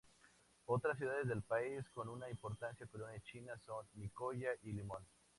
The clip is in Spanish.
Otras ciudades del país con una importante colonia china son Nicoya y Limón.